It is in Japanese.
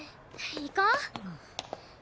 行こう。